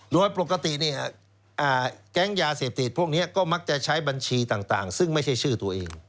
โดยปกติแก๊งยาเสพติดพวกนี้ก็มักจะใช้บัญชีต่างซึ่งไม่ใช่ชื่อตัวเอง